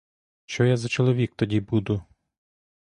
Що я за чоловік тоді буду!